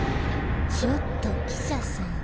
ちょっと記者さん。